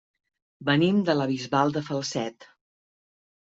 Venim de la Bisbal de Falset.